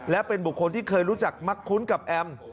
และเป็นบุคคลที่เคยรู้จักมักคุ้นกับแอม